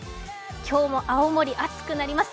今日も青森、暑くなります。